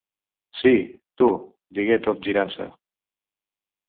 "Sí, tu", digué tot girant-se.